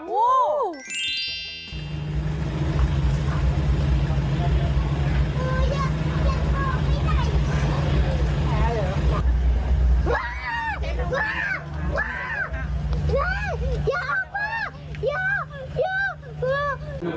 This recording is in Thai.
อย่าเอาขนาดนี้